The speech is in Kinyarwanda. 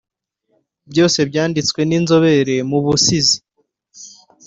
Byose byanditswe n’Inzobere mu Busizi